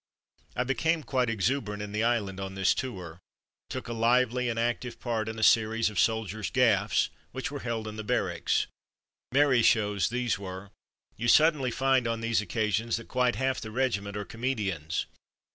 I became quite exuberant in the island on this tour. Took a lively and ac tive part in a series of soldiers' ''gaffs'' which we held in the barracks. Merry shows these were. You suddenly find on these occasions that quite half the regiment are comedians.